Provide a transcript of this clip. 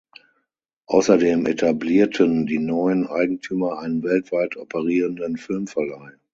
Außerdem etablierten die neuen Eigentümer einen weltweit operierenden Filmverleih.